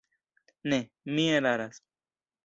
Ne, mi eraras.